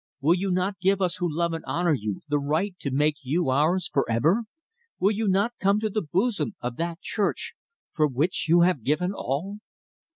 Will you not give us who love and honour you the right to make you ours for ever? Will you not come to the bosom of that Church for which you have given all?"